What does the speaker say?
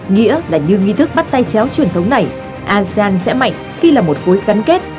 nghĩa là như nghi thức bắt tay chéo truyền thống này asean sẽ mạnh khi là một cối gắn kết